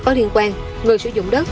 có liên quan người sử dụng đất